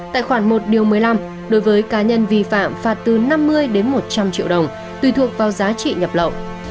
tại khoản một điều một mươi năm đối với cá nhân vi phạm phạt từ năm mươi đến một trăm linh triệu đồng tùy thuộc vào giá trị nhập lậu